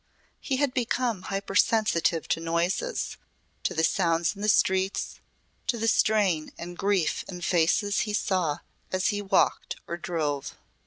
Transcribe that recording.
He had become hypersensitive to noises, to the sounds in the streets, to the strain and grief in faces he saw as he walked or drove.